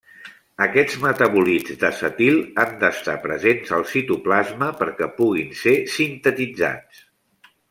Aquests metabòlits d'acetil han d'estar presents al citoplasma perquè puguin ser sintetitzats.